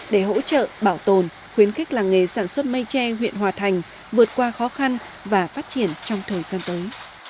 để hỗ trợ bảo tồn khuyến khích làng nghề sản xuất mây tre huyện hòa thành vượt qua khó khăn và phát triển trong thời gian tới